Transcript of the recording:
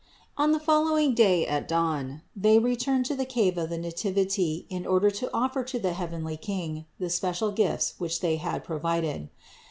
567. On the following day at dawn they returned to the cave of the Nativity in order to offer to the heavenly King the special gifts which they had provided.